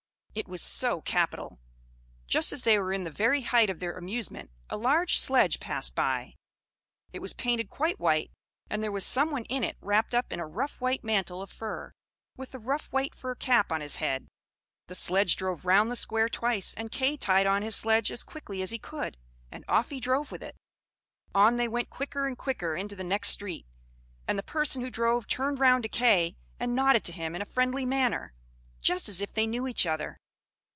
It was so capital! Just as they were in the very height of their amusement, a large sledge passed by: it was painted quite white, and there was someone in it wrapped up in a rough white mantle of fur, with a rough white fur cap on his head. The sledge drove round the square twice, and Kay tied on his sledge as quickly as he could, and off he drove with it. On they went quicker and quicker into the next street; and the person who drove turned round to Kay, and nodded to him in a friendly manner, just as if they knew each other.